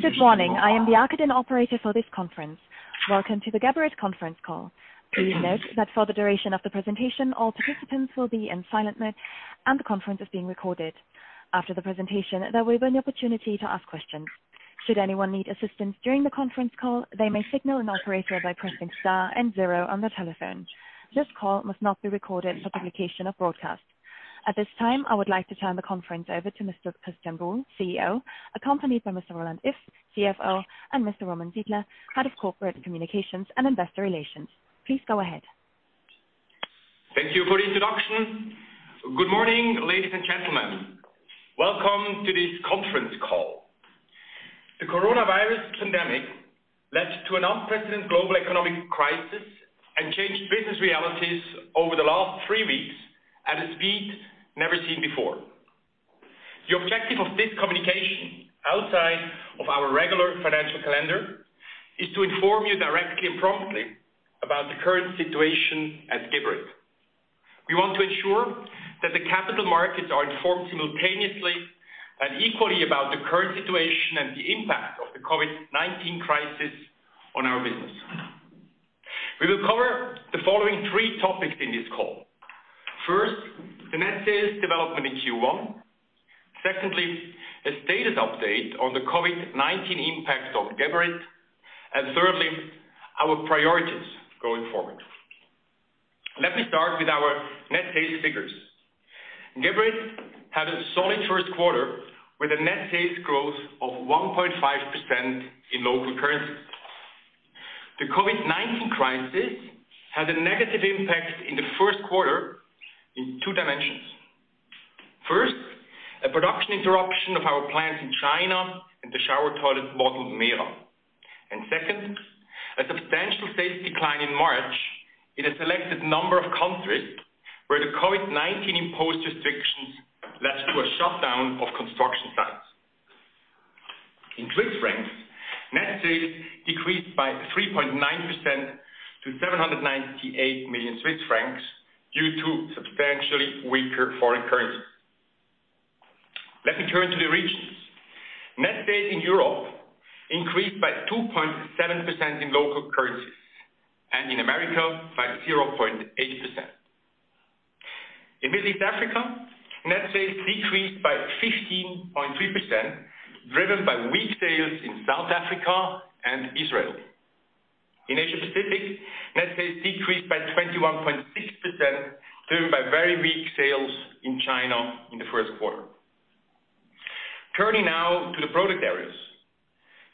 Good morning. I am the operator for this conference. Welcome to the Geberit conference call. Please note that for the duration of the presentation, all participants will be in silent mode, and the conference is being recorded. After the presentation, there will be an opportunity to ask questions. Should anyone need assistance during the conference call, they may signal an operator by pressing star and zero on their telephone. This call must not be recorded for publication or broadcast. At this time, I would like to turn the conference over to Mr. Christian Buhl, CEO, accompanied by Mr. Roland Iff, CFO, and Mr. Roman Sidler, Head of Corporate Communications & Investor Relations. Please go ahead. Thank you for the introduction. Good morning, ladies and gentlemen. Welcome to this conference call. The coronavirus pandemic led to an unprecedented global economic crisis and changed business realities over the last three weeks at a speed never seen before. The objective of this communication, outside of our regular financial calendar, is to inform you directly and promptly about the current situation at Geberit. We want to ensure that the capital markets are informed simultaneously and equally about the current situation and the impact of the COVID-19 crisis on our business. We will cover the following three topics in this call. First, the net sales development in Q1. Secondly, a status update on the COVID-19 impact on Geberit, and thirdly, our priorities going forward. Let me start with our net sales figures. Geberit had a solid first quarter with a net sales growth of 1.5% in local currency. The COVID-19 crisis had a negative impact in the first quarter in two dimensions. First, a production interruption of our plants in China and the shower toilet model Mera. Second, a substantial sales decline in March in a selected number of countries where the COVID-19 imposed restrictions led to a shutdown of construction sites. In Swiss Franc, net sales decreased by 3.9% to 798 million Swiss francs due to substantially weaker foreign currency. Let me turn to the regions. Net sales in Europe increased by 2.7% in local currencies, and in America by 0.8%. In Middle East Africa, net sales decreased by 15.3%, driven by weak sales in South Africa and Israel. In Asia-Pacific, net sales decreased by 21.6%, driven by very weak sales in China in the first quarter. Turning now to the product areas.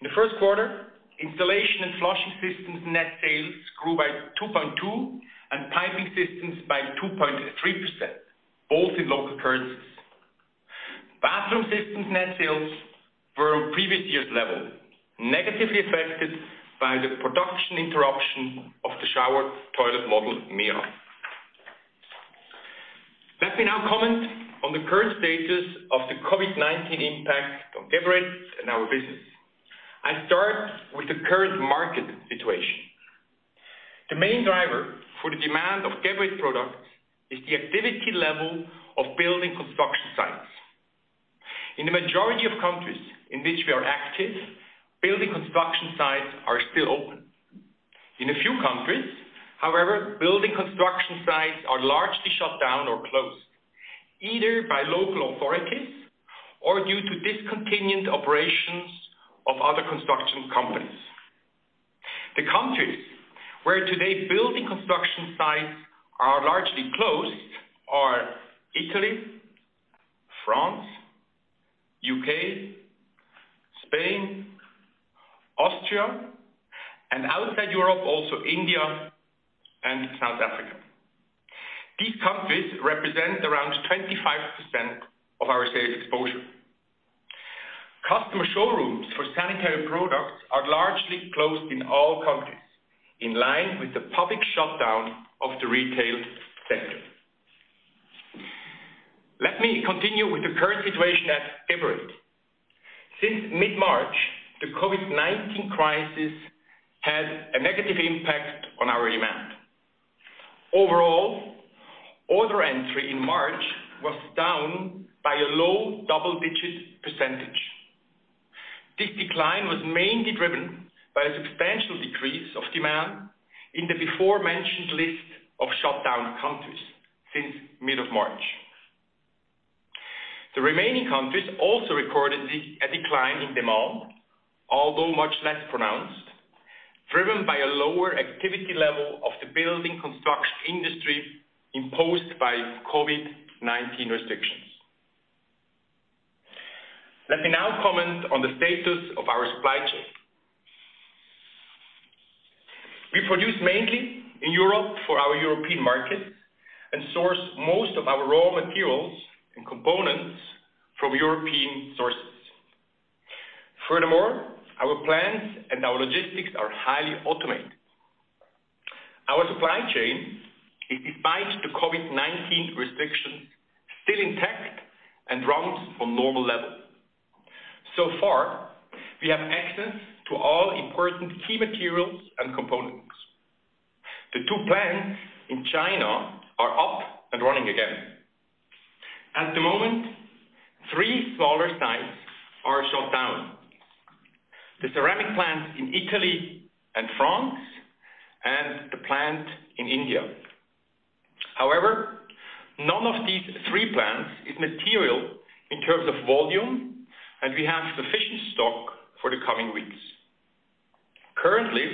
In the first quarter, Installation and Flushing Systems net sales grew by 2.2% and Piping Systems by 2.3%, both in local currencies. Bathroom Systems net sales were on previous year's level, negatively affected by the production interruption of the shower toilet model Mera. Let me now comment on the current status of the COVID-19 impact on Geberit and our business. I start with the current market situation. The main driver for the demand of Geberit products is the activity level of building construction sites. In the majority of countries in which we are active, building construction sites are still open. In a few countries, however, building construction sites are largely shut down or closed, either by local authorities or due to discontinued operations of other construction companies. The countries where today building construction sites are largely closed are Italy, France, U.K., Spain, Austria, and outside Europe, also India and South Africa. These countries represent around 25% of our sales exposure. Customer showrooms for sanitary products are largely closed in all countries, in line with the public shutdown of the retail sector. Let me continue with the current situation at Geberit. Since mid-March, the COVID-19 crisis had a negative impact on our demand. Overall, order entry in March was down by a low double-digit percentage. This decline was mainly driven by a substantial decrease of demand in the beforementioned list of shutdown countries since mid of March. The remaining countries also recorded a decline in demand, although much less pronounced, driven by a lower activity level of the building construction industry imposed by COVID-19 restrictions. Let me now comment on the status of our supply chain. We produce mainly in Europe for our European market and source most of our raw materials and components from European sources. Furthermore, our plants and our logistics are highly automated. Our supply chain is, despite the COVID-19 restrictions, still intact and runs on normal levels. So far, we have access to all important key materials and components. The two plants in China are up and running again. At the moment, three smaller sites are shut down, the ceramic plants in Italy and France and the plant in India. However, none of these three plants is material in terms of volume, and we have sufficient stock for the coming weeks. Currently,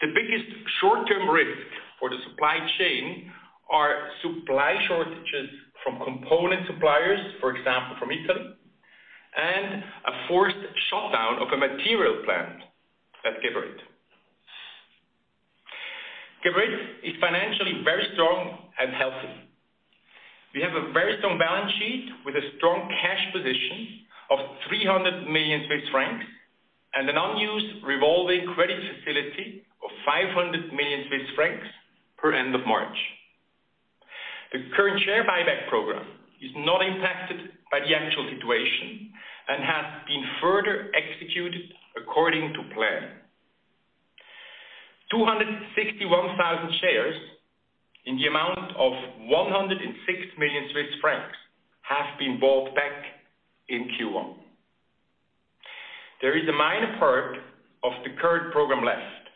the biggest short-term risk for the supply chain are supply shortages from component suppliers, for example, from Italy, and a forced shutdown of a material plant at Geberit. Geberit is financially very strong and healthy. We have a very strong balance sheet with a strong cash position of 300 million Swiss francs and an unused revolving credit facility of 500 million Swiss francs per end of March. The current share buyback program is not impacted by the actual situation and has been further executed according to plan. 261,000 shares in the amount of 106 million Swiss francs have been bought back in Q1. There is a minor part of the current program left.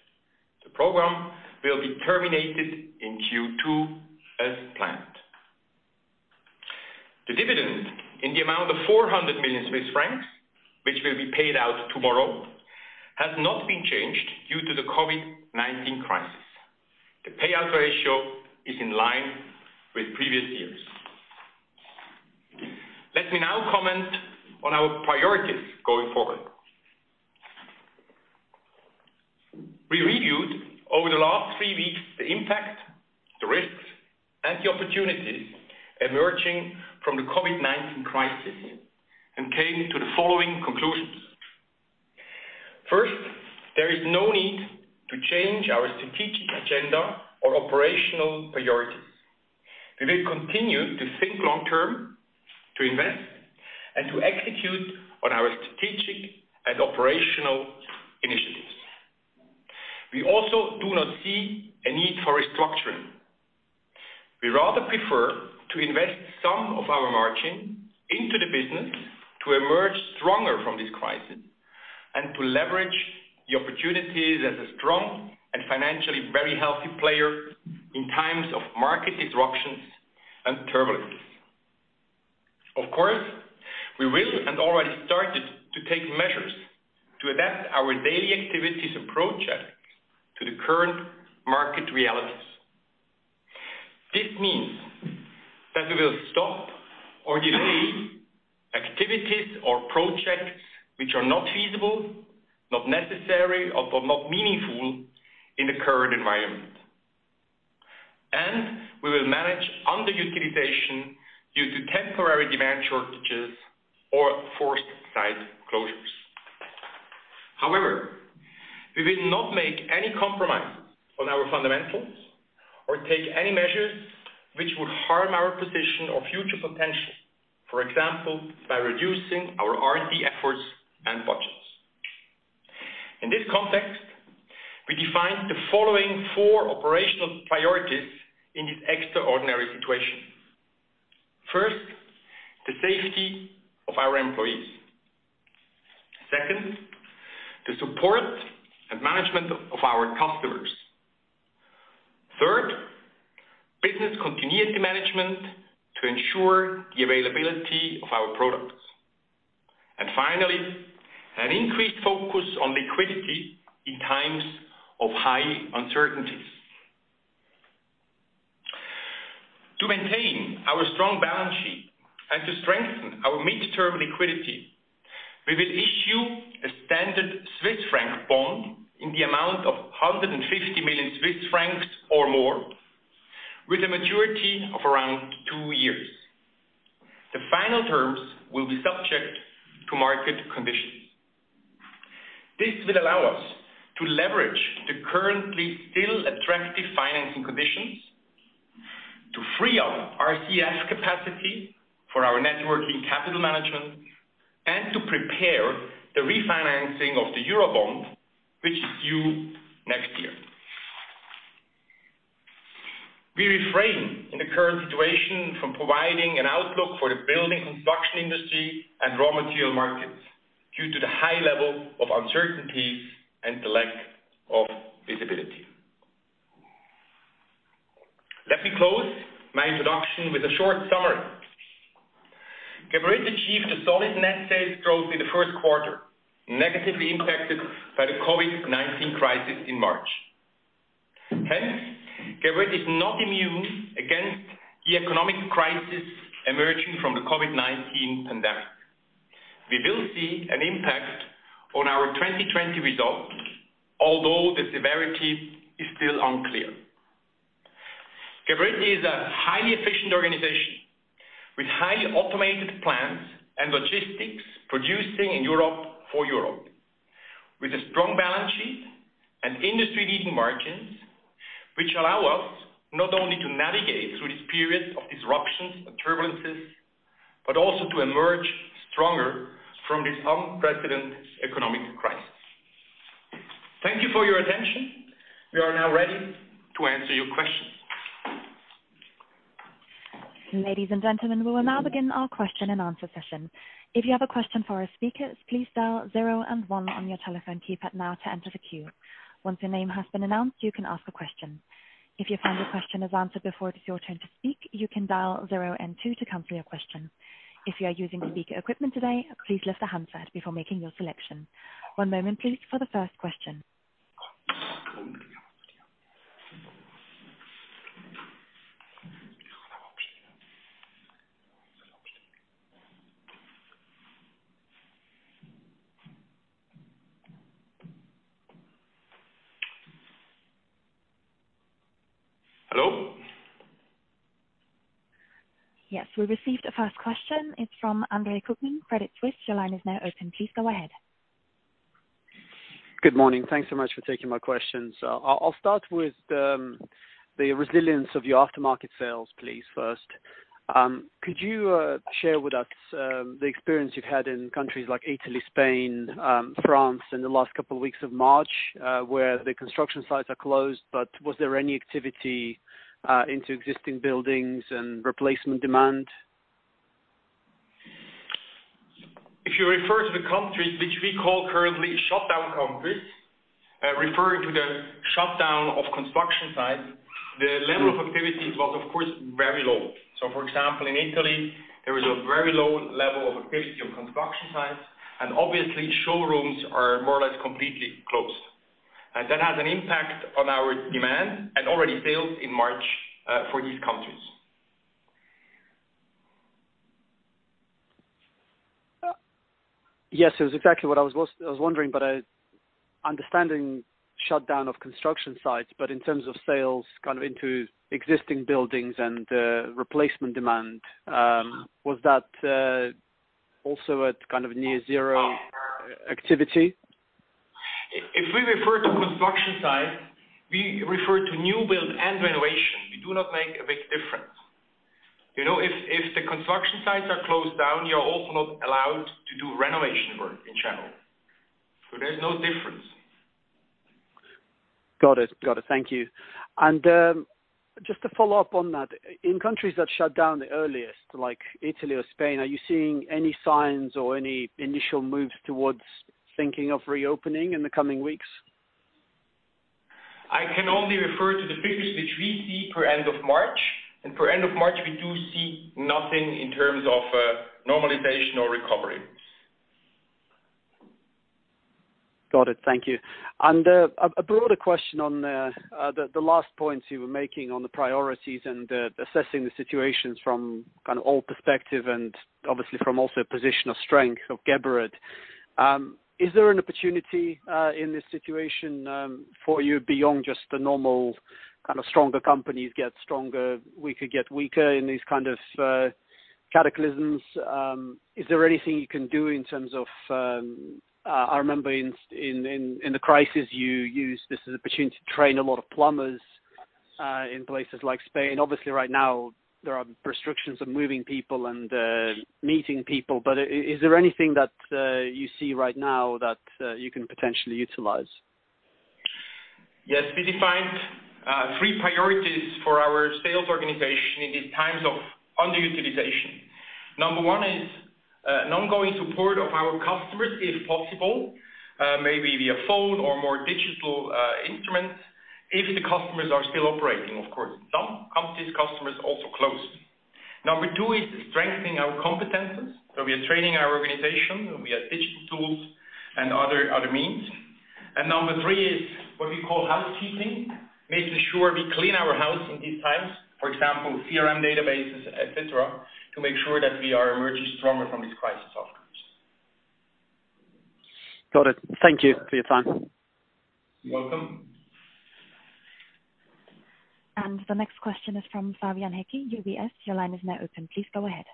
The program will be terminated in Q2 as planned. The dividend in the amount of 400 million Swiss francs, which will be paid out tomorrow, has not been changed due to the COVID-19 crisis. The payout ratio is in line with previous years. Let me now comment on our priorities going forward. We reviewed over the last three weeks the impact, the risks, and the opportunities emerging from the COVID-19 crisis and came to the following conclusions. First, there is no need to change our strategic agenda or operational priorities. We will continue to think long-term, to invest, and to execute on our strategic and operational initiatives. We also do not see a need for restructuring. We rather prefer to invest some of our margin into the business to emerge stronger from this crisis and to leverage the opportunities as a strong and financially very healthy player in times of market disruptions and turbulence. Of course, we will and already started to take measures to adapt our daily activities and projects to the current market realities. This means that we will stop or delay activities or projects which are not feasible, not necessary, or not meaningful in the current environment, and we will manage underutilization due to temporary demand shortages or forced site closures. However, we will not make any compromise on our fundamentals or take any measures which would harm our position or future potential, for example, by reducing our R&D efforts and budgets. In this context, we define the following four operational priorities in this extraordinary situation. First, the safety of our employees. Second, the support and management of our customers. Third, business continuity management to ensure the availability of our products. Finally, an increased focus on liquidity in times of high uncertainties. To maintain our strong balance sheet and to strengthen our mid-term liquidity, we will issue a standard Swiss franc bond in the amount of 150 million Swiss francs or more, with a maturity of around two years. The final terms will be subject to market conditions. This will allow us to leverage the currently still attractive financing conditions to free up our RCF capacity for our net working capital management and to prepare the refinancing of the Eurobond, which is due next year. We refrain in the current situation from providing an outlook for the building construction industry and raw material markets due to the high level of uncertainty and the lack of visibility. Let me close my introduction with a short summary. Geberit achieved a solid net sales growth in the first quarter, negatively impacted by the COVID-19 crisis in March. Geberit is not immune against the economic crisis emerging from the COVID-19 pandemic. We will see an impact on our 2020 results, although the severity is still unclear. Geberit is a highly efficient organization with highly automated plants and logistics producing in Europe for Europe, with a strong balance sheet and industry-leading margins, which allow us not only to navigate through this period of disruptions and turbulences but also to emerge stronger from this unprecedented economic crisis. Thank you for your attention. We are now ready to answer your questions. Ladies and gentlemen, we will now begin our question and answer session. If you have a question for our speakers, please dial zero and one on your telephone keypad now to enter the queue. Once your name has been announced, you can ask a question. If you find your question is answered before it is your turn to speak, you can dial zero and two to cancel your question. If you are using the speaker equipment today, please lift the handset before making your selection. One moment please for the first question. Hello? Yes, we received a first question. It's from Andre Kukhnin, Credit Suisse. Your line is now open. Please go ahead. Good morning. Thanks so much for taking my questions. I'll start with the resilience of your aftermarket sales, please, first. Could you share with us the experience you've had in countries like Italy, Spain, France in the last couple of weeks of March, where the construction sites are closed, but was there any activity into existing buildings and replacement demand? If you refer to the countries which we call currently shutdown countries, referring to the shutdown of construction sites, the level of activity was, of course, very low. For example, in Italy, there is a very low level of activity on construction sites, and obviously showrooms are more or less completely closed. That has an impact on our demand and already built in March, for these countries. Yes, it was exactly what I was wondering, but understanding shutdown of construction sites, but in terms of sales into existing buildings and replacement demand, was that also at near zero activity? If we refer to construction sites, we refer to new build and renovation. We do not make a big difference. If the construction sites are closed down, you are also not allowed to do renovation work in general. There is no difference. Got it. Thank you. Just to follow up on that, in countries that shut down the earliest, like Italy or Spain, are you seeing any signs or any initial moves towards thinking of reopening in the coming weeks? I can only refer to the figures which we see per end of March. Per end of March, we do see nothing in terms of normalization or recovery. Got it. Thank you. A broader question on the last points you were making on the priorities and assessing the situations from all perspective and obviously from also a position of strength of Geberit. Is there an opportunity in this situation for you beyond just the normal, stronger companies get stronger, weaker get weaker in these kinds of cataclysms? Is there anything you can do? I remember in the crisis, you used this as an opportunity to train a lot of plumbers, in places like Spain. Obviously right now there are restrictions on moving people and meeting people. Is there anything that you see right now that you can potentially utilize? Yes. We defined three priorities for our sales organization in these times of underutilization. Number one is an ongoing support of our customers, if possible, maybe via phone or more digital instruments, if the customers are still operating, of course. Some companies, customers also closed. Number two is strengthening our competencies. We are training our organization, and we have digital tools and other means. Number three is what we call housekeeping. Making sure we clean our house in these times, for example, CRM databases, et cetera, to make sure that we are emerging stronger from this crisis afterwards. Got it. Thank you for your time. Welcome. The next question is from Fabian Haecki, UBS. Your line is now open. Please go ahead.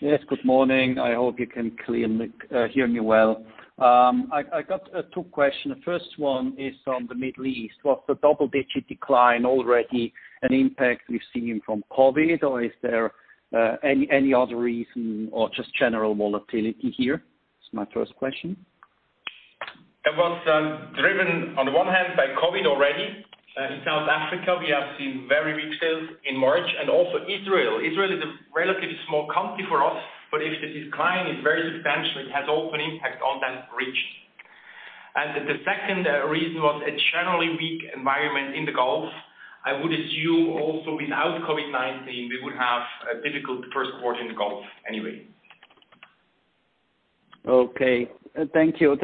Yes, good morning. I hope you can hear me well. I got two question. The first one is on the Middle East. Was the double-digit decline already an impact we've seen from COVID, or is there any other reason or just general volatility here? That's my first question. It was driven on one hand by COVID already. In South Africa, we have seen very weak sales in March. Also Israel. Israel is a relatively small country for us, but if the decline is very substantial, it has often impact on that region. The second reason was a generally weak environment in the Gulf. I would assume also without COVID-19, we would have a difficult first quarter in the Gulf anyway. Okay, thank you.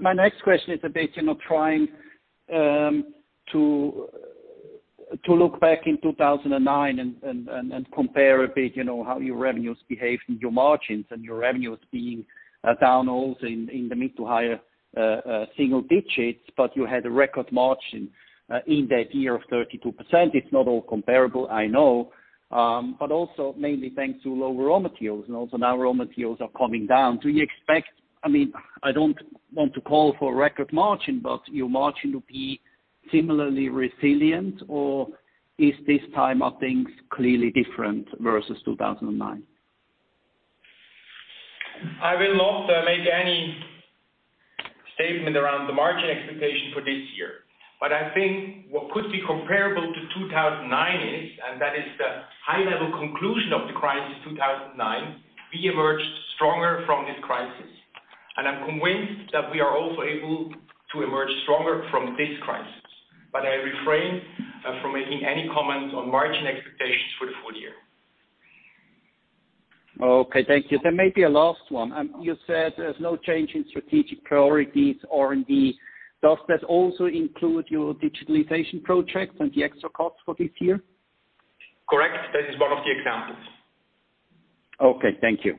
My next question is a bit, trying to look back in 2009 and compare a bit how your revenues behaved and your margins and your revenues being down also in the mid to higher single digits, but you had a record margin, in that year of 32%. It's not all comparable, I know. Also mainly thanks to lower raw materials and also now raw materials are coming down. I don't want to call for a record margin, but your margin will be similarly resilient, or is this time of things clearly different versus 2009? I will not make any statement around the margin expectation for this year. I think what could be comparable to 2009 is, and that is the high level conclusion of the crisis of 2009, we emerged stronger from this crisis. I'm convinced that we are also able to emerge stronger from this crisis. I refrain from making any comments on margin expectations for the full year. Okay, thank you. Maybe a last one. You said there's no change in strategic priorities, R&D. Does that also include your digitalization projects and the extra cost for this year? Correct. That is one of the examples. Okay. Thank you.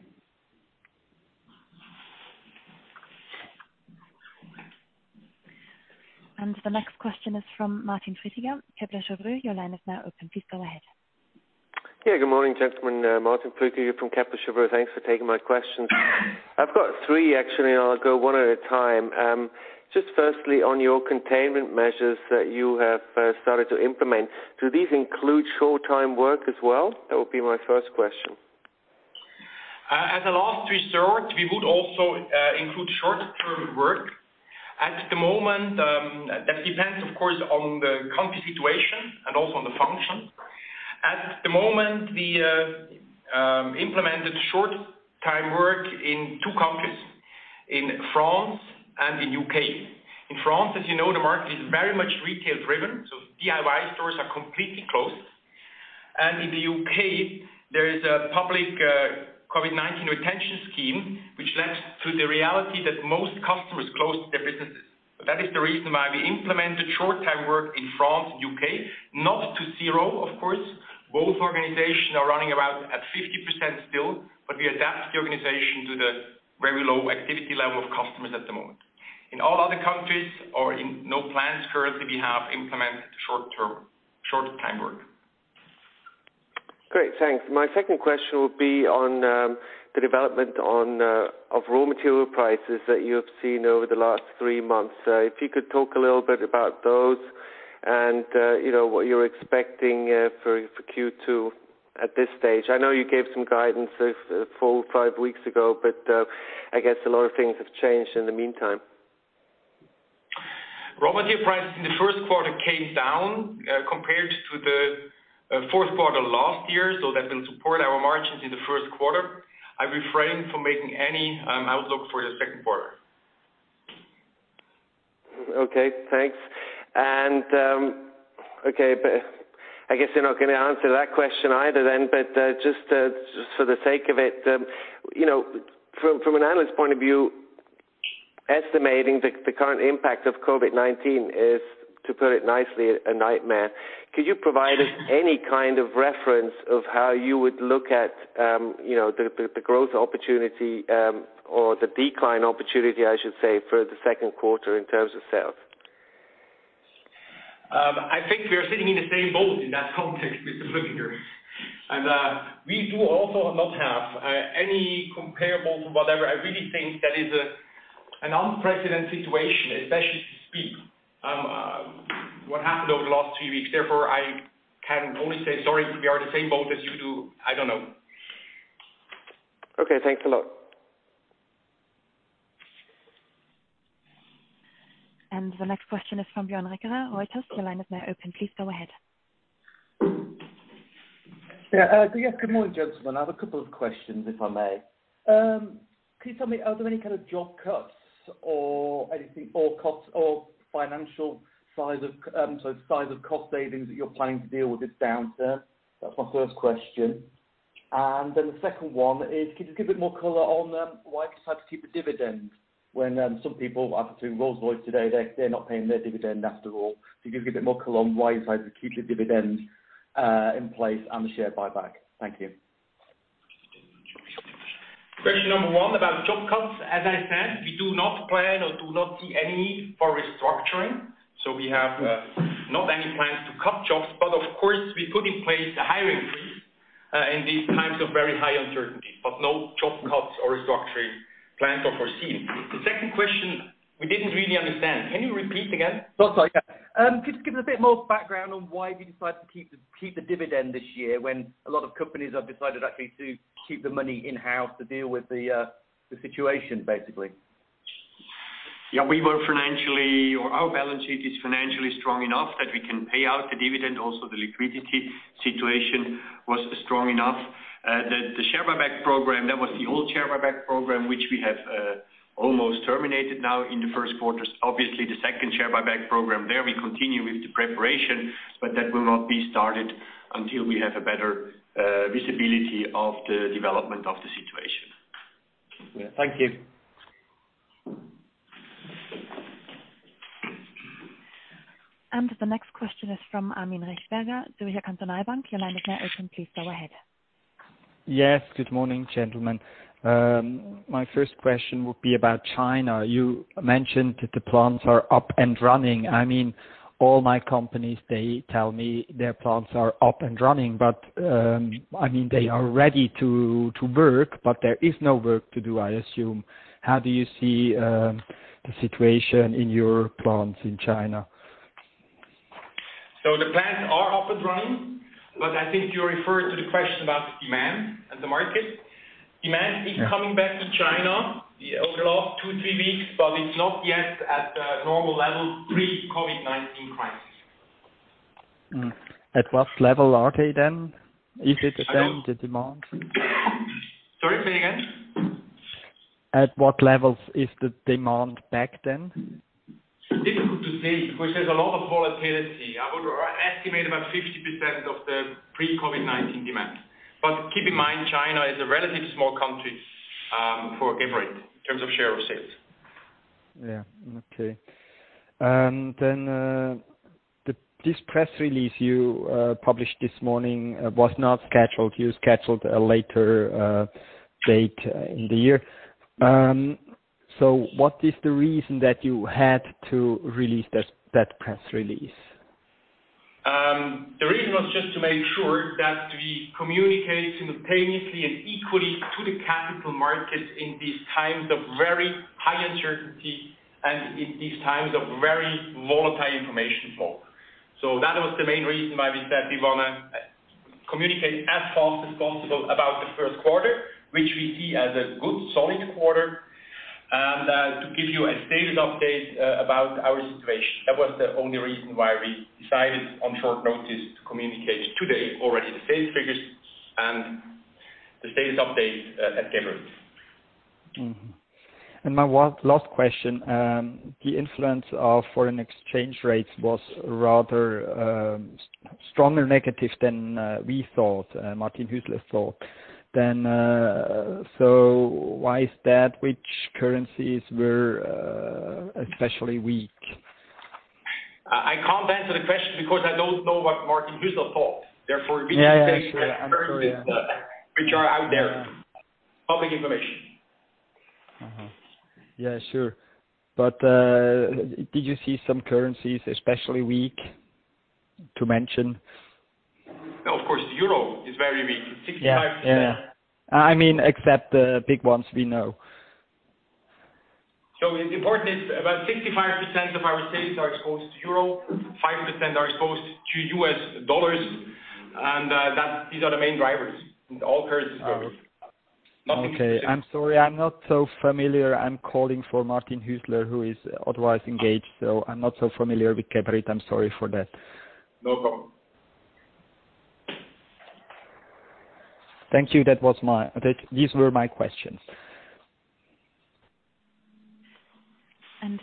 The next question is from Martin Flueckiger, Kepler Cheuvreux. Your line is now open. Please go ahead. Yeah, good morning, gentlemen. Martin Flueckiger from Kepler Cheuvreux. Thanks for taking my questions. I've got three, actually, and I'll go one at a time. Just firstly, on your containment measures that you have started to implement, do these include short-time work as well? That would be my first question. As a last resort, we would also include short-term work. That depends, of course, on the country situation and also on the function. At the moment, we implemented short-time work in two countries, in France and in U.K. In France, as you know, the market is very much retail-driven, DIY stores are completely closed. In the U.K., there is a public COVID-19 retention scheme, which led to the reality that most customers closed their businesses. That is the reason why we implemented short-time work in France, U.K. Not to zero, of course. Both organizations are running around at 50% still, we adapt the organization to the very low activity level of customers at the moment. In all other countries are in no plans currently, we have implemented short-time work. Great. Thanks. My second question would be on the development of raw material prices that you have seen over the last three months. If you could talk a little bit about those and what you're expecting for Q2 at this stage. I know you gave some guidance four, five weeks ago, but I guess a lot of things have changed in the meantime. Raw material prices in the first quarter came down, compared to the fourth quarter last year, that will support our margins in the first quarter. I refrain from making any outlook for the second quarter. Okay, thanks. I guess you're not going to answer that question either then. Just for the sake of it, from an analyst point of view, estimating the current impact of COVID-19 is, to put it nicely, a nightmare. Could you provide us any kind of reference of how you would look at the growth opportunity, or the decline opportunity, I should say, for the second quarter in terms of sales? I think we are sitting in the same boat in that context, Mr. Flueckiger. We do also not have any comparable to whatever. I really think that is an unprecedented situation, especially to speak. What happened over the last three weeks. I can only say, sorry, we are in the same boat as you do. I don't know. Okay, thanks a lot. The next question is from [Björn Rekener], Reuters. Your line is now open. Please go ahead. Good morning, gentlemen. I have a couple of questions, if I may. Can you tell me, are there any kind of job cuts or anything, or financial size of cost savings that you're planning to deal with this downturn? That's my first question. The second one is, could you give a bit more color on why you decided to keep the dividend when some people, I presume Rolls-Royce today, they're not paying their dividend after all. Could you give a bit more color on why you decided to keep the dividend in place and the share buyback? Thank you. Question number one about job cuts, as I said, we do not plan or do not see any for restructuring. We have not any plans to cut jobs. Of course, we put in place a hiring freeze, in these times of very high uncertainty, but no job cuts or restructuring plans are foreseen. The second question, we didn't really understand. Can you repeat again? Oh, sorry. Could you give us a bit more background on why you decided to keep the dividend this year when a lot of companies have decided actually to keep the money in-house to deal with the situation, basically? Yeah. Our balance sheet is financially strong enough that we can pay out the dividend. The liquidity situation was strong enough. The share buyback program, that was the old share buyback program, which we have almost terminated now in the first quarter. The second share buyback program there we continue with the preparation, but that will not be started until we have a better visibility of the development of the situation. Yeah. Thank you. The next question is from Armin Rechberger, Zürcher Kantonalbank. Your line is now open. Please go ahead. Yes. Good morning, gentlemen. My first question would be about China. You mentioned that the plants are up and running. All my companies, they tell me their plants are up and running. They are ready to work, but there is no work to do, I assume. How do you see the situation in your plants in China? The plants are up and running, but I think you refer to the question about the demand and the market. Yeah. Demand is coming back in China over the last two, three weeks, but it's not yet at the normal level pre COVID-19 crisis. At what level are they then? Is it then, the demand? Sorry, say again. At what levels is the demand back then? Difficult to say, because there's a lot of volatility. I would estimate about 50% of the pre COVID-19 demand. Keep in mind, China is a relatively small country for Geberit in terms of share of sales. Yeah. Okay. This press release you published this morning was not scheduled. You scheduled a later date in the year. What is the reason that you had to release that press release? The reason was just to make sure that we communicate simultaneously and equally to the capital markets in these times of very high uncertainty and in these times of very volatile information flow. That was the main reason why we said we want to communicate as fast as possible about the first quarter, which we see as a good solid quarter. To give you a status update about our situation. That was the only reason why we decided on short notice to communicate today already the sales figures and the status update at Geberit. My last question. The influence of foreign exchange rates was rather stronger negative than we thought, Martin Huesler thought. Why is that? Which currencies were especially weak? I can't answer the question because I don't know what Martin Huesler thought. Therefore we can say. Yeah, sure. I'm sorry. Yeah Which are out there. Yeah. Public information. Yeah, sure. Did you see some currencies especially weak to mention? Of course, the Euro is very weak. It's 65%. Yeah. I mean, except the big ones we know. Important is about 65% of our sales are exposed to Euro, 5% are exposed to U.S. dollars, and these are the main drivers and all currencies are weak. I'm sorry, I'm not so familiar. I'm calling for Martin Huesler, who is otherwise engaged. I'm not so familiar with Geberit. I'm sorry for that. No problem. Thank you. These were my questions.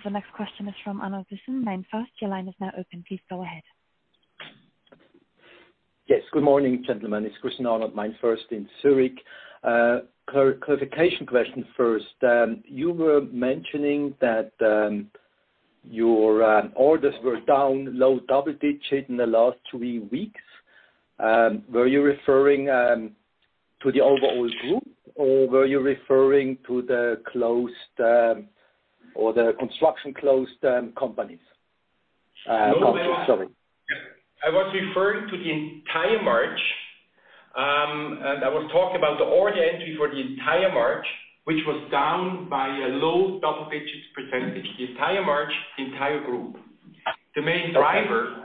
The next question is from Arnold Vontobel. Your line is now open. Please go ahead. Yes. Good morning, gentlemen. It's Christian Arnold, MainFirst in Zurich. Clarification question first. You were mentioning that your orders were down low double digit in the last three weeks. Were you referring to the overall group, or were you referring to the closed or the construction closed companies? Countries, sorry. I was referring to the entire March, and I was talking about the order entry for the entire March, which was down by a low double digits percentage. The entire March, the entire group. Okay. The main driver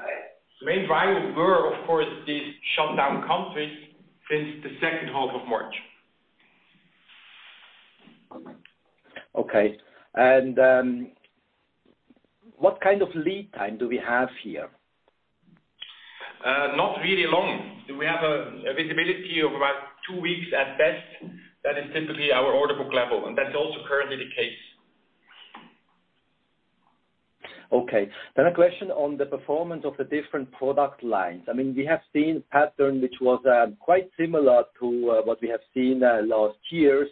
were, of course, these shut down countries since the second half of March. Okay. What kind of lead time do we have here? Not really long. We have a visibility of about two weeks at best. That is typically our order book level, and that's also currently the case. A question on the performance of the different product lines. I mean, we have seen a pattern which was quite similar to what we have seen last year.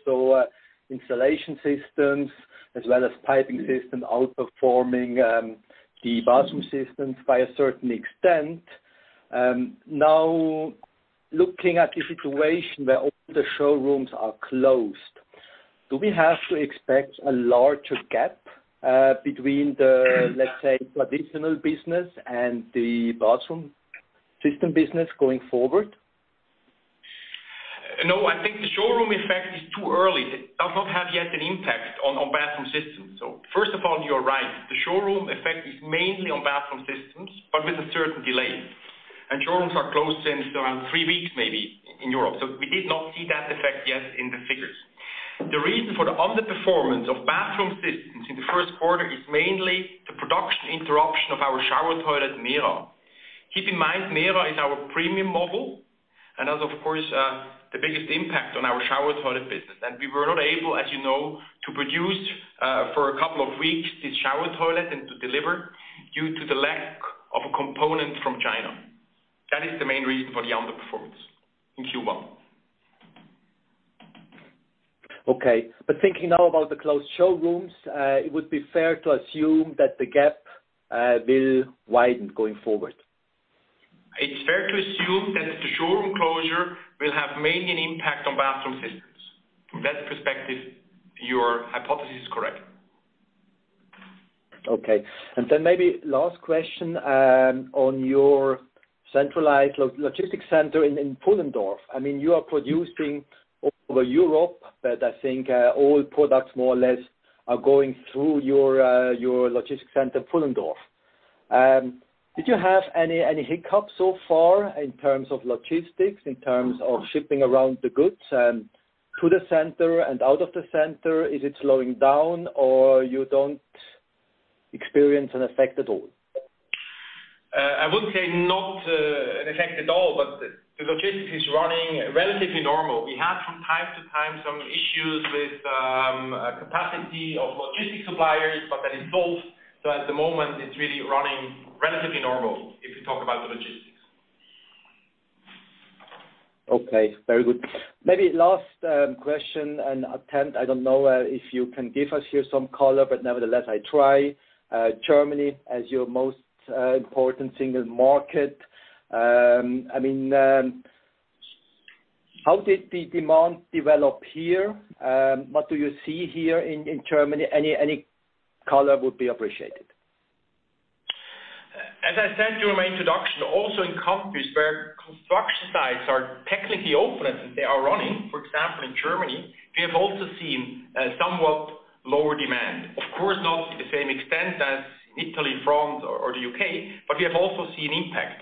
Installation Systems as well as Piping Systems outperforming the Bathroom Systems by a certain extent. Now, looking at the situation where all the showrooms are closed, do we have to expect a larger gap between the, let's say, traditional business and the Bathroom Systems business going forward? No, I think the showroom effect is too early. It does not have yet an impact on Bathroom Systems. First of all, you are right. The showroom effect is mainly on Bathroom Systems, but with a certain delay. Showrooms are closed since around three weeks, maybe, in Europe. We did not see that effect yet in the figures. The reason for the underperformance of Bathroom Systems in the first quarter is mainly the production interruption of our shower toilet, Mera. Keep in mind, Mera is our premium model and has of course, the biggest impact on our shower toilet business. We were not able, as you know, to produce for a couple of weeks this shower toilet and to deliver due to the lack of a component from China. That is the main reason for the underperformance in Q1. Okay. Thinking now about the closed showrooms, it would be fair to assume that the gap will widen going forward. It's fair to assume that the showroom closure will have mainly an impact on Bathroom Systems. From that perspective, your hypothesis is correct. Okay. Maybe last question, on your centralized logistics center in Pfullendorf. You are producing over Europe, I think all products more or less are going through your logistics center in Pfullendorf. Did you have any hiccups so far in terms of logistics, in terms of shipping around the goods to the center and out of the center? Is it slowing down, or you don't experience an effect at all? I wouldn't say not an effect at all, the logistics is running relatively normal. We had from time to time some issues with capacity of logistics suppliers, that is solved. At the moment it's really running relatively normal, if you talk about the logistics. Okay. Very good. Maybe last question and attempt, I don't know if you can give us here some color, but nevertheless, I try. Germany as your most important single market, how did the demand develop here? What do you see here in Germany? Any color would be appreciated. As I said during my introduction, also in countries where construction sites are technically open and they are running, for example, in Germany, we have also seen somewhat lower demand. Of course, not to the same extent as Italy, France, or the U.K., we have also seen impact.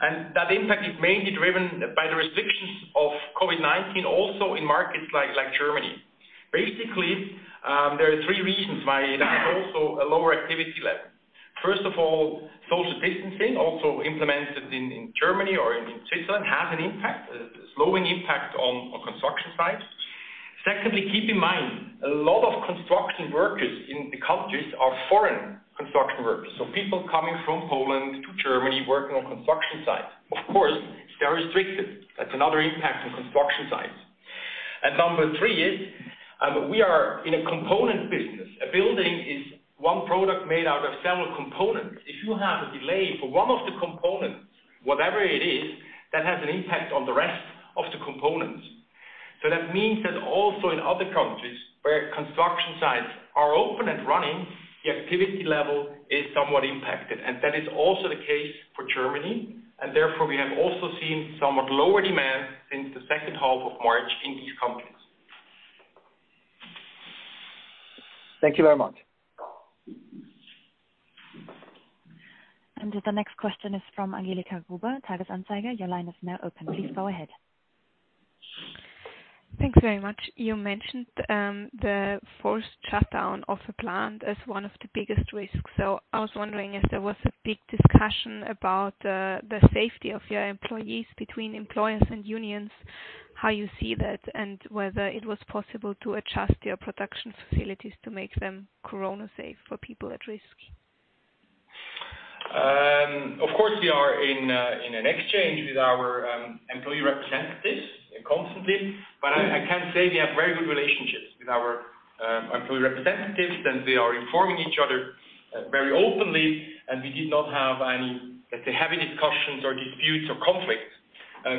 That impact is mainly driven by the restrictions of COVID-19 also in markets like Germany. Basically, there are three reasons why we have also a lower activity level. First of all, social distancing, also implemented in Germany or in Switzerland, has an impact, a slowing impact on construction sites. Secondly, keep in mind, a lot of construction workers in the countries are foreign construction workers, so people coming from Poland to Germany working on construction sites. Of course, they are restricted. That's another impact on construction sites. Number three is, we are in a component business. A building is one product made out of several components. If you have a delay for one of the components, whatever it is, that has an impact on the rest of the components. That means that also in other countries where construction sites are open and running, the activity level is somewhat impacted, and that is also the case for Germany, and therefore we have also seen somewhat lower demand since the second half of March in these countries. Thank you very much. The next question is from Angelika Gruber, Tages-Anzeiger. Your line is now open. Please go ahead. Thanks very much. You mentioned the forced shutdown of a plant as one of the biggest risks. I was wondering if there was a big discussion about the safety of your employees between employers and unions, how you see that, and whether it was possible to adjust your production facilities to make them corona safe for people at risk? Of course, we are in an exchange with our employee representatives constantly, but I can say we have very good relationships with our employee representatives, and we are informing each other very openly, and we did not have any, let's say, heavy discussions or disputes or conflicts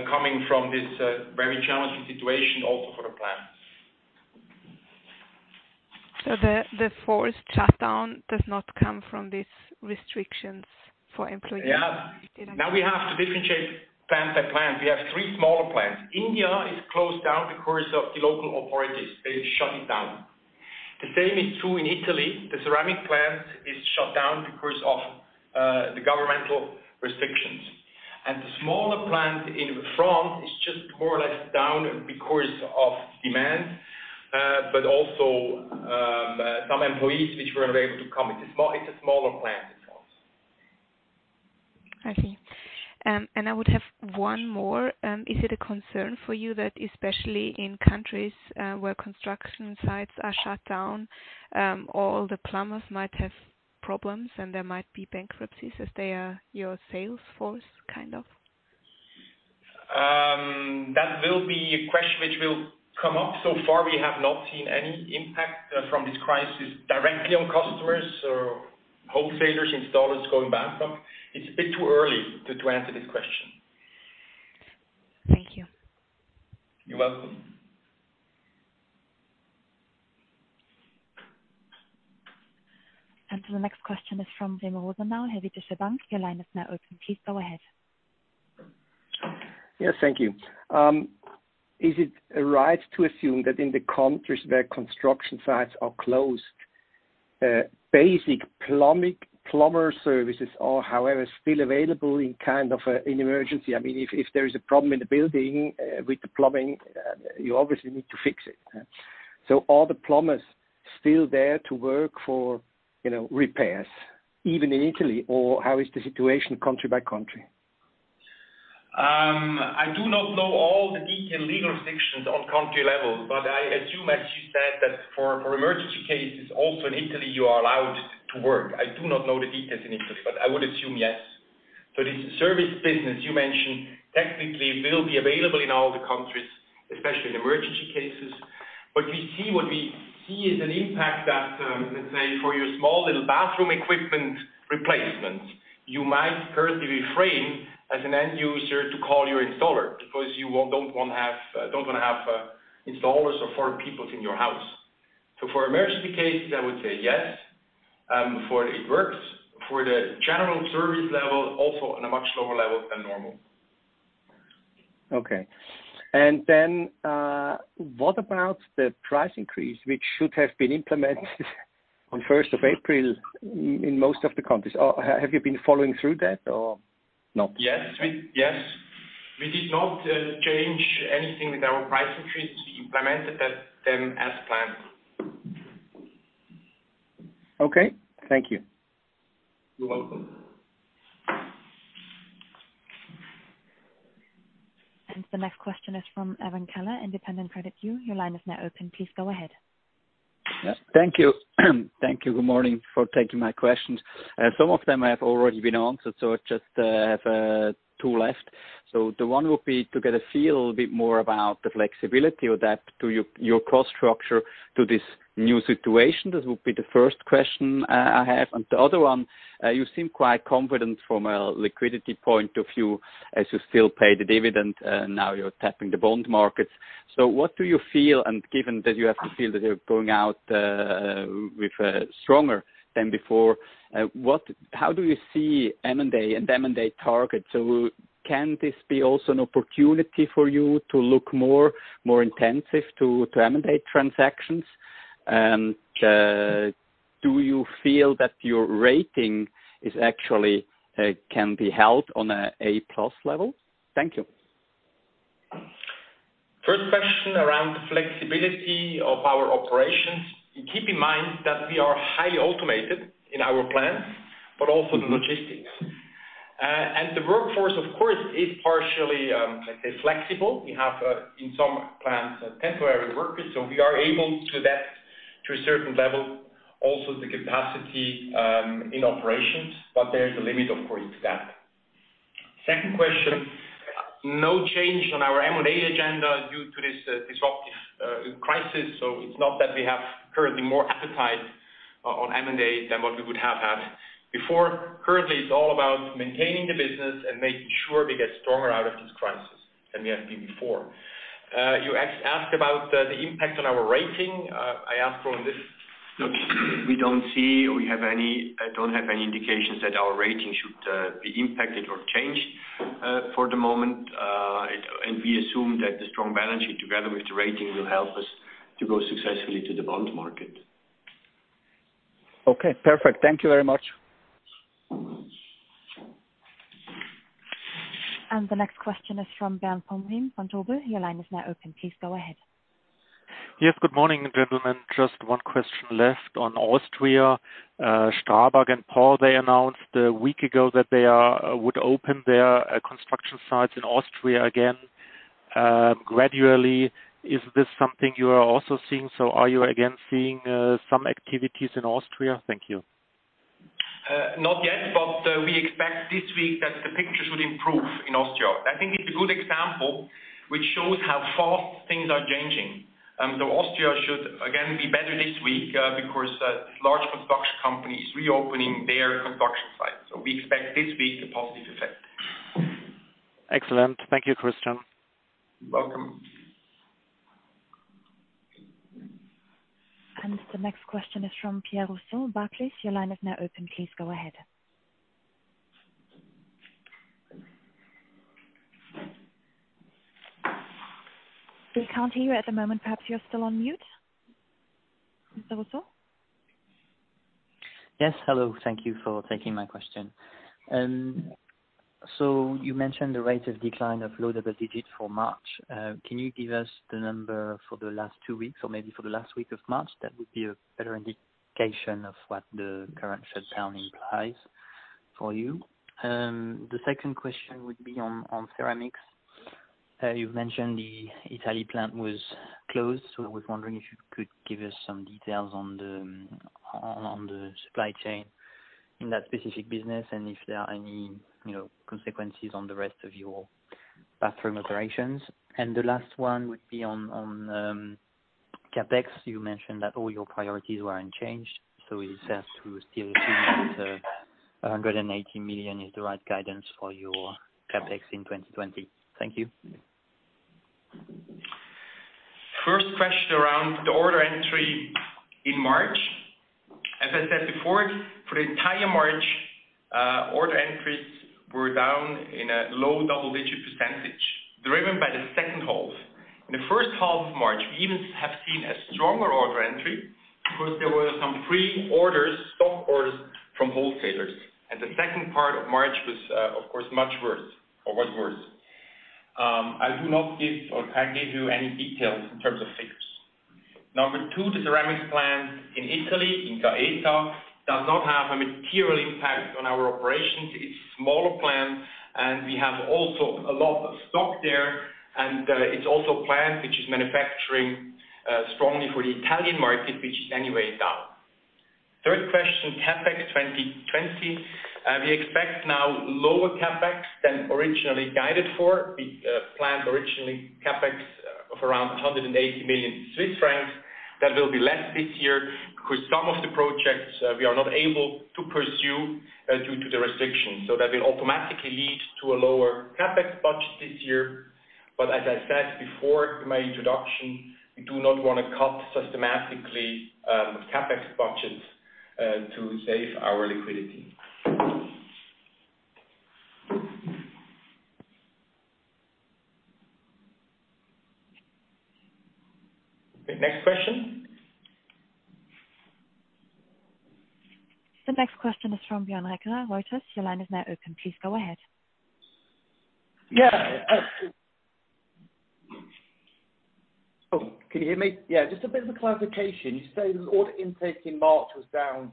coming from this very challenging situation also for the plants. The forced shutdown does not come from these restrictions for employees? Yeah. Now we have to differentiate plant by plant. We have three smaller plants. India is closed down because of the local authorities. They shut it down. The same is true in Italy. The ceramic plant is shut down because of the governmental restrictions. The smaller plant in France is just more or less down because of demand, but also some employees which weren't available to come in. It's a smaller plant in France. I see. I would have one more. Is it a concern for you that especially in countries where construction sites are shut down, all the plumbers might have problems and there might be bankruptcies as they are your sales force, kind of? That will be a question which will come up. We have not seen any impact from this crisis directly on customers or wholesalers, installers going bankrupt. It's a bit too early to answer this question. Thank you. You're welcome. The next question is from [Wim Sillem], Deutsche Bank. Your line is now open. Please go ahead. Yes. Thank you. Is it right to assume that in the countries where construction sites are closed, basic plumber services are however still available in kind of an emergency? If there is a problem in the building with the plumbing, you obviously need to fix it. Are the plumbers still there to work for repairs, even in Italy, or how is the situation country by country? I do not know all the detailed legal restrictions on country level, but I assume, as you said, that for emergency cases, also in Italy, you are allowed to work. I do not know the details in Italy, but I would assume yes. This service business you mentioned technically will be available in all the countries, especially in emergency cases. What we see is an impact that, let's say for your small little bathroom equipment replacement, you might currently refrain as an end user to call your installer because you don't want to have installers or foreign people in your house. For emergency cases, I would say yes, it works. For the general service level, also on a much lower level than normal. Okay. What about the price increase, which should have been implemented on 1st of April in most of the countries? Have you been following through that or not? Yes. We did not change anything with our price increase. We implemented them as planned. Okay. Thank you. You're welcome. The next question is from [Evan Keller], Independent Credit View. Your line is now open. Please go ahead. Thank you. Thank you. Good morning for taking my questions. Some of them have already been answered, I just have two left. The one would be to get a feel a bit more about the flexibility, adapt to your cost structure to this new situation. This would be the first question I have. The other one, you seem quite confident from a liquidity point of view as you still pay the dividend, and now you're tapping the bond markets. What do you feel? Given that you have the feel that you're going out with stronger than before, how do you see M&A and M&A targets? Can this be also an opportunity for you to look more intensive to M&A transactions? Do you feel that your rating actually can be held on a A+ level? Thank you. First question around the flexibility of our operations. Keep in mind that we are highly automated in our plans, but also the logistics. The workforce, of course, is partially, let's say flexible. We have, in some plants, temporary workers, so we are able to adapt to a certain level, also the capacity in operations, but there is a limit, of course, to that. Second question, no change on our M&A agenda due to this disruptive crisis. It's not that we have currently more appetite on M&A than what we would have had before. Currently, it's all about maintaining the business and making sure we get stronger out of this crisis than we have been before. You asked about the impact on our rating. I asked Roland this. Look, we don't have any indications that our rating should be impacted or changed for the moment. We assume that the strong balance sheet, together with the rating, will help us to go successfully to the bond market. Okay. Perfect. Thank you very much. The next question is from [Bernd Pompen] from [Tobu]. Your line is now open. Please go ahead. Yes. Good morning, gentlemen. Just one question left on Austria. Strabag and Porr, they announced a week ago that they would open their construction sites in Austria again gradually. Is this something you are also seeing? Are you again seeing some activities in Austria? Thank you. Not yet. We expect this week that the picture should improve in Austria. I think it's a good example, which shows how fast things are changing. Austria should again be better this week, because large construction companies reopening their construction sites. We expect this week a positive effect. Excellent. Thank you, Christian. You're welcome. The next question is from Pierre Rousseau, Barclays. Your line is now open. Please go ahead. We can't hear you at the moment. Perhaps you're still on mute. Mr. Rousseau? Yes. Hello. Thank you for taking my question. You mentioned the rate of decline of loadability for March. Can you give us the number for the last two weeks or maybe for the last week of March? That would be a better indication of what the current shutdown implies for you. The second question would be on ceramics. You mentioned the Italy plant was closed, so I was wondering if you could give us some details on the supply chain in that specific business and if there are any consequences on the rest of your bathroom operations. The last one would be on CapEx. You mentioned that all your priorities were unchanged, so is that to still assume that 180 million is the right guidance for your CapEx in 2020? Thank you. First question around the order entry in March. As I said before, for the entire March, order entries were down in a low double-digit percentage, driven by the second half. In the first half of March, we even have seen a stronger order entry because there were some pre-orders, stock orders from wholesalers. The second part of March was, of course, much worse or was worse. I cannot give you any details in terms of figures. Number two, the ceramics plant in Italy, in Gaeta, does not have a material impact on our operations. It's a smaller plant, and we have also a lot of stock there, and it's also a plant which is manufacturing strongly for the Italian market, which is anyway down. Third question, CapEx 2020. We expect now lower CapEx than originally guided for. We planned originally CapEx of around 180 million Swiss francs. That will be less this year because some of the projects we are not able to pursue due to the restrictions. That will automatically lead to a lower CapEx budget this year. As I said before in my introduction, we do not want to cut systematically CapEx budget to save our liquidity. Okay, next question. The next question is from [Bjorn], Reuters, your line is now open. Please go ahead. Yeah. Oh, can you hear me? Yeah, just a bit of a clarification. You say that order intake in March was down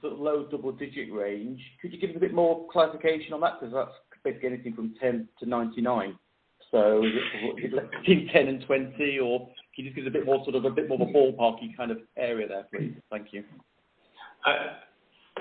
sort of low double-digit range. Could you give us a bit more clarification on that? That's basically anything from 10%-99%. Between 10% and 20%, or can you just give a bit more of a ballpark-y kind of area there, please? Thank you.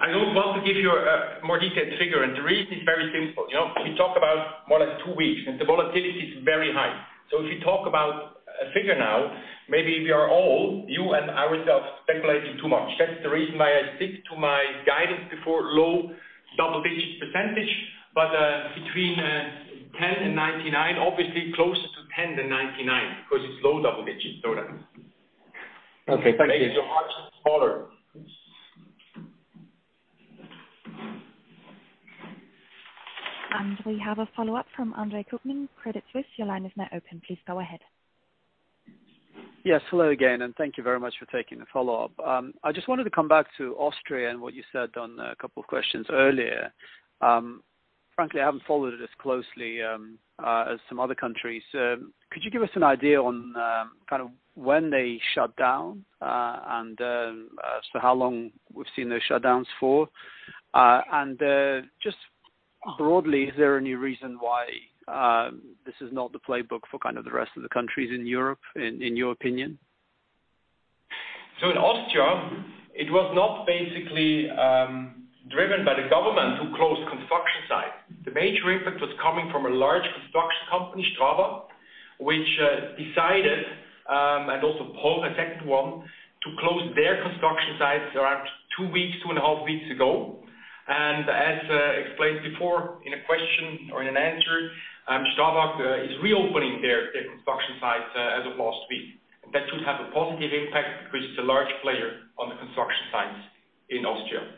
I don't want to give you a more detailed figure, and the reason is very simple. We talk about more than two weeks, and the volatility is very high. If you talk about a figure now, maybe we are all, you and ourselves, speculating too much. That's the reason why I stick to my guidance before low double-digit percentage. Between 10% and 99%, obviously closer to 10% than 99% because it's low double digits. Okay, thank you. The rest is much smaller. We have a follow-up from Andre Kukhnin, Credit Suisse. Your line is now open. Please go ahead. Yes, hello again, thank you very much for taking the follow-up. I just wanted to come back to Austria and what you said on a couple of questions earlier. Frankly, I haven't followed it as closely as some other countries. Could you give us an idea on when they shut down and as to how long we've seen those shutdowns for? Just broadly, is there any reason why this is not the playbook for the rest of the countries in Europe, in your opinion? In Austria, it was not basically driven by the government to close construction sites. The major impact was coming from a large construction company, Strabag, which decided, and also Porr, the second one, to close their construction sites around two weeks, two and a half weeks ago. As explained before in a question or in an answer, Strabag is reopening their construction sites as of last week. That should have a positive impact because it's a large player on the construction sites in Austria.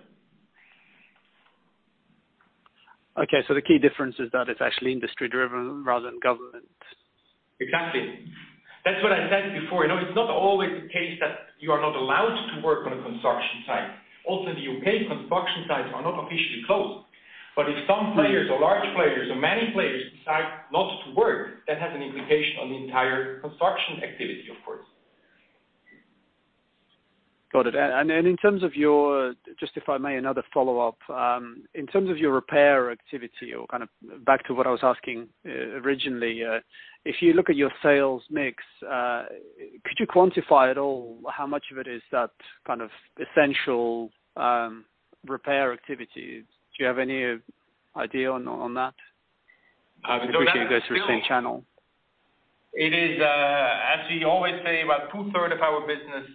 Okay, the key difference is that it's actually industry-driven rather than government. Exactly. That's what I said before. It's not always the case that you are not allowed to work on a construction site. Also in the U.K., construction sites are not officially closed, but if some players or large players or many players decide not to work, that has an implication on the entire construction activity, of course. Got it. Just if I may, another follow-up. In terms of your repair activity or back to what I was asking originally, if you look at your sales mix, could you quantify at all how much of it is that essential repair activity? Do you have any idea on that? I can direct you guys through the same channel. It is, as we always say, about two-third of our business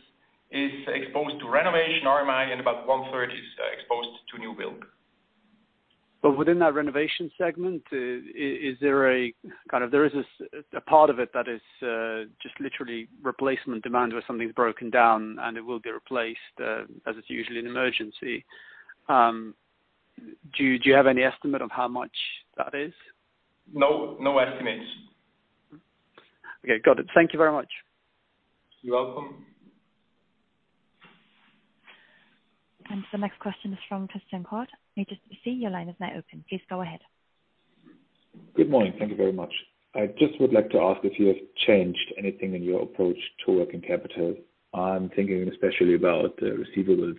is exposed to renovation RMI and about one-third is exposed to new build. Within that renovation segment, there is a part of it that is just literally replacement demand where something's broken down and it will be replaced, as it's usually an emergency. Do you have any estimate of how much that is? No estimates. Okay, got it. Thank you very much. You're welcome. The next question is from Christian Korth, HSBC. Your line is now open. Please go ahead. Good morning. Thank you very much. I just would like to ask if you have changed anything in your approach to net working capital. I'm thinking especially about the receivables.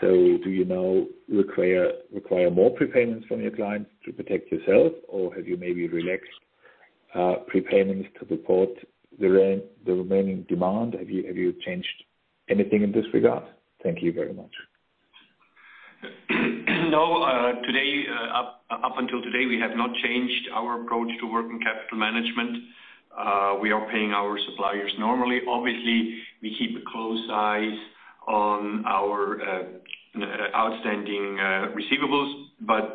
Do you now require more prepayments from your clients to protect yourself, or have you maybe relaxed prepayments to support the remaining demand? Have you changed anything in this regard? Thank you very much. No, up until today, we have not changed our approach to net working capital management. We are paying our suppliers normally. Obviously, we keep a close eye on our outstanding receivables, but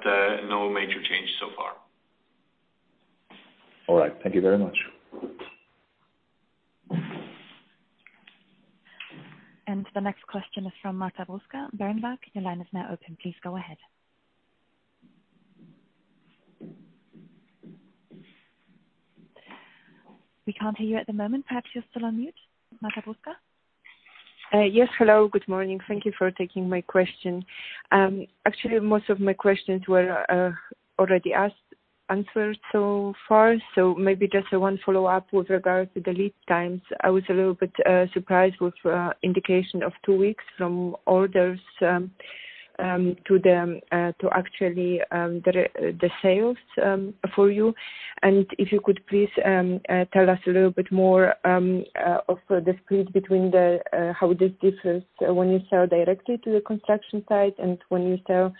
no major change so far. All right. Thank you very much. The next question is from Marta Bruska, Berenberg. Your line is now open. Please go ahead. We can't hear you at the moment. Perhaps you're still on mute, Marta Bruska. Yes. Hello. Good morning. Thank you for taking my question. Actually, most of my questions were already answered so far, maybe just one follow-up with regards to the lead times. I was a little bit surprised with indication of two weeks from orders to actually the sales for you. If you could please tell us a little bit more of the split between how this differs when you sell directly to the construction site and when you sell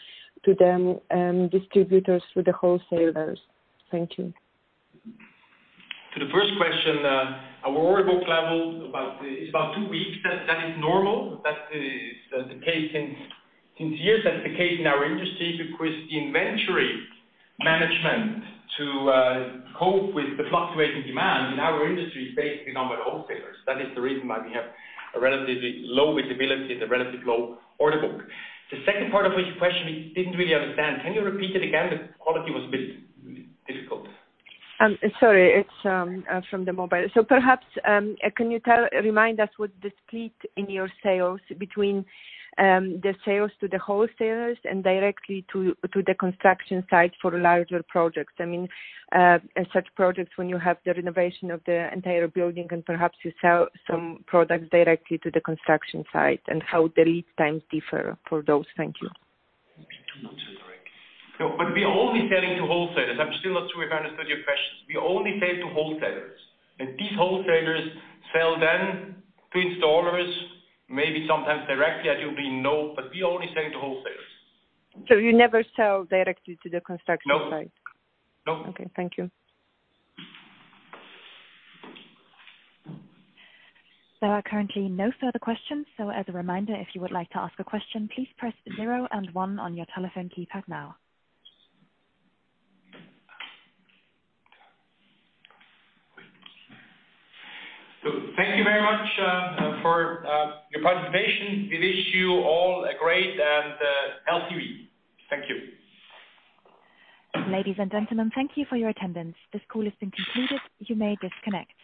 to the distributors, to the wholesalers. Thank you. To the first question, our order book level is about two weeks. That is normal. That is the case since years. That's the case in our industry because the inventory management to cope with the fluctuating demand in our industry is based number of wholesalers. That is the reason why we have a relatively low visibility and a relatively low order book. The second part of your question, we didn't really understand. Can you repeat it again? The quality was a bit difficult. Sorry, it's from the mobile. Perhaps, can you remind us what the split in your sales between the sales to the wholesalers and directly to the construction site for larger projects? Such projects when you have the renovation of the entire building and perhaps you sell some products directly to the construction site, and how the lead times differ for those. Thank you. We are only selling to wholesalers. I'm still not sure if I understood your question. We only sell to wholesalers, and these wholesalers sell then to installers, maybe sometimes directly. I don't know, but we only sell to wholesalers. You never sell directly to the construction site? No. Okay. Thank you. There are currently no further questions, so as a reminder, if you would like to ask a question, please press zero and one on your telephone keypad now. Thank you very much for your participation. We wish you all a great and healthy week. Thank you. Ladies and gentlemen, thank you for your attendance. This call has been concluded. You may disconnect.